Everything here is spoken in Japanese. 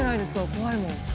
怖いもん。